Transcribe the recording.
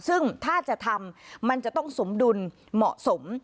ซึ่งถ้าจะทำมันจะต้องสมดุลเหมาะสม